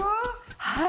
はい。